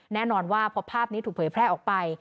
แน่นอนว่าพอภาพนี้ถูกเผยแพร่ออกไป